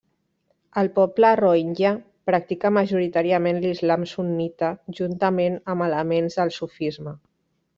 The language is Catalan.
El poble Rohingya practica majoritàriament l'islam sunnita juntament amb elements del sufisme.